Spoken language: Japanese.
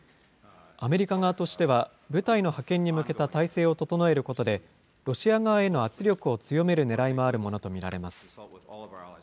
アメリカ側としては部隊の派遣に向けた態勢を整えることで、ロシア側への圧力を強めるねらいもあるものと見られます。